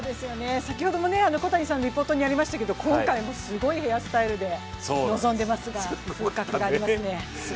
先ほども小谷さんのリポートにありましたけど、今回もすごいヘアスタイルで臨んでいますが、風格がありますね。